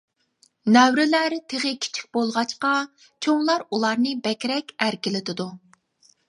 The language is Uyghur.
نەۋرىلەر تېخى كىچىك بولغاچقا، چوڭلار ئۇلارنى بەكرەك ئەركىلىتىدۇ.